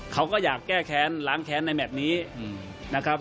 เขาก็อยากแก้แค้นล้างแค้นในแมทนี้นะครับ